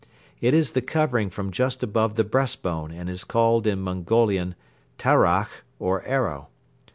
It is the covering from just above the breast bone and is called in Mongolian tarach or "arrow."